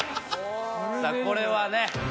さあこれはね。